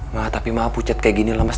ma tapi mama pucat kayak gini lah mas